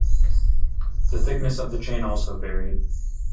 The thickness of the chain also varied.